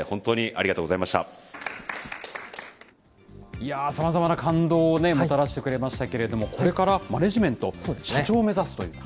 いやぁ、さまざまな感動をもたらしてくれましたけれども、ここからマネジメント、社長を目指すということ？